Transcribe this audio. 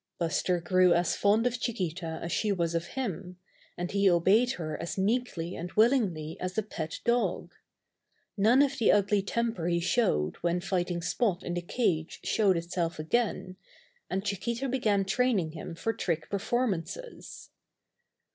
Buster grew as fond of Chiquita as she was of him, and he obeyed her as meekly and will ingly as a pet dog. None of the ugly temper he showed when fighting Spot in the cage 79 80 Buster the Bear showed itself again, and Chiquita began train ing him for trick performances.